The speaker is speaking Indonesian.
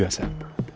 udah jam tiga sam